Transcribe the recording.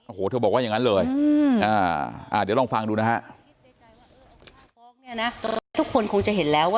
โอ้โหเธอบอกว่าอย่างนั้นเลย